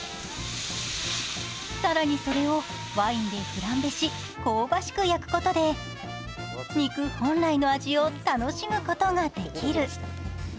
更にそれをワインでフランベし、香ばしく焼くことで肉本来の味を楽しむことができる。